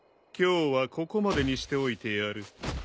今日はここまでにしておいてやる。